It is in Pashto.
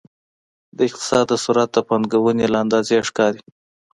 د اقتصاد سرعت د پانګونې له اندازې ښکاري.